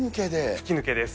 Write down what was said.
吹き抜けです。